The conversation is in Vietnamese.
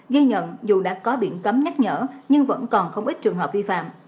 ghi nhận dù đã có biển cấm nhắc nhở nhưng vẫn còn không ít trường hợp vi phạm